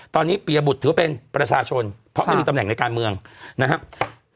ตอนนี้ปียบุตรถือว่าเป็นประชาชนเพราะไม่มีตำแหน่งในการเมืองนะครับ